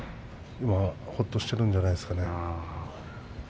今、ほっとしてるんじゃないですかね。